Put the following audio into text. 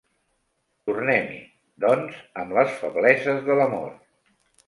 Tornem-hi, doncs, amb les febleses de l'amor.